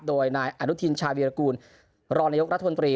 โดยนายอนุทินชาวีรกูลรองนายกรัฐมนตรี